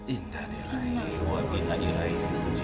indah diraih wa bina ilaih suci